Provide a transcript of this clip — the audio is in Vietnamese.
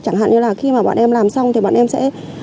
chẳng hạn như là khi mà bạn em làm xong thì bạn em sẽ